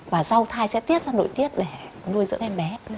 và sau thai sẽ tiết ra nội tiết để nuôi dưỡng em bé